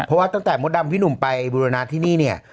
เพราะว่าตั้งแต่มดรรมพี่หนุมไปบุรณานที่นี่